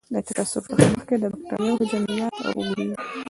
د تکثر څخه مخکې د بکټریا حجم زیات او اوږدیږي.